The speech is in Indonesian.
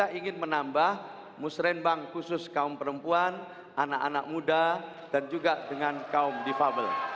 kita ingin menambah musrembang khusus kaum perempuan anak anak muda dan juga dengan kaum difabel